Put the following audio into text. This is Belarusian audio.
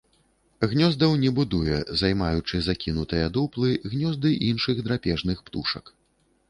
Гнёздаў не будуе, займаючы закінутыя дуплы, гнёзды іншых драпежных птушак.